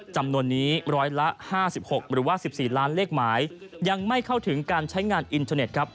จำนวนนี้๑๕๖หรือ๑๔ล้านเลขหมายยังไม่เข้าถึงการใช้งานอินเทอร์เน็ต